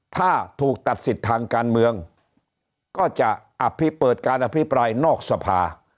ถ้าถูกตัดสิทธิ์ทางการเมืองก็จะอภิเปิดการอภิปรายนอกสภา